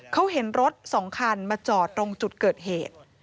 เขาเห็นรถ๒คันมาจอดตรงจุดเกิดเหตุ